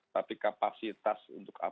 tapi kapasitas untuk